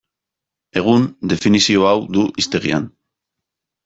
Egun, definizio hau du hiztegian.